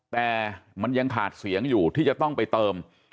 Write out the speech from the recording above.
แต่มันยังขาดเสียงอยู่ที่จะต้องไปเติม